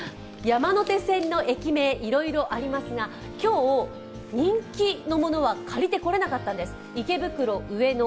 山手線の駅名、いろいろありますが今日、人気のものは借りてこれなかったんです。